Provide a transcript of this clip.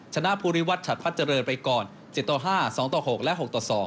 ชนะภูริวัตรฉัดพัดเจริญไปก่อน๗ต่อ๕๒ต่อ๖และ๖ต่อ๒